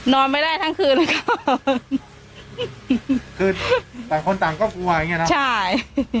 นอนไม่ได้ทั้งคืนเลยค่ะคือต่างคนต่างก็กลัวอย่างเงี้นะใช่